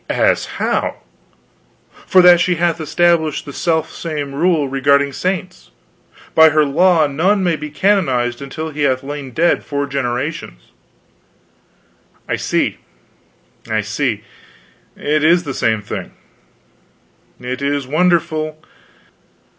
"As how?" "For that she hath established the self same rule regarding saints. By her law none may be canonized until he hath lain dead four generations." "I see, I see it is the same thing. It is wonderful.